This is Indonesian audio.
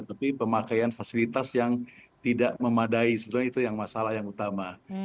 tapi pemakaian fasilitas yang tidak memadai sebenarnya itu yang masalah yang utama